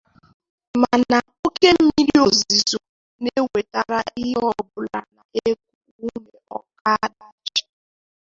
mana oke mmiri ozuzo na-ewetara ihe ọbụla na-eku ume oke ọdachi.